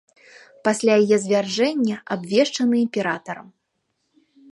Пасля яе звяржэння абвешчаны імператарам.